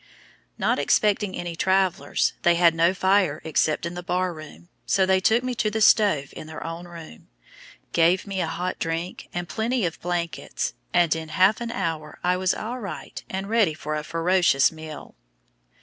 Not expecting any travelers, they had no fire except in the bar room, so they took me to the stove in their own room, gave me a hot drink and plenty of blankets and in half an hour I was all right and ready for a ferocious meal.